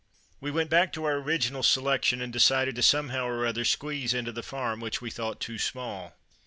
We went back to our original selection and decided to somehow or other squeeze into the farm which we thought too small.